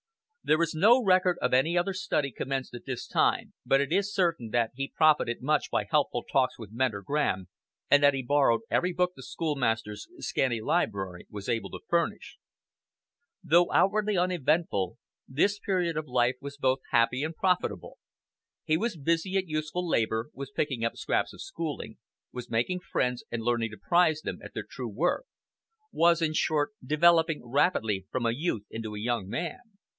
There is no record of any other study commenced at this time, but it is certain that he profited much by helpful talks with Mentor Graham, and that he borrowed every book the schoolmaster's scanty library was able to furnish. Though outwardly uneventful, this period of his life was both happy and profitable. He was busy at useful labor, was picking up scraps of schooling, was making friends and learning to prize them at their true worth; was, in short, developing rapidly from a youth into a young man.